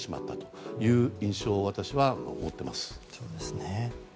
そういう印象を私は持っています。